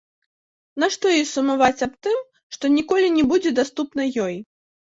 Нашто ёй сумаваць аб тым, што ніколі не будзе даступна ёй?